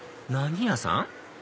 何屋さん？